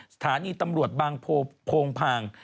สถานีตำรวจบางโพงพาง